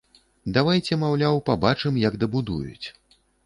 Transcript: Давайце, маўляў, пабачым, як дабудуюць.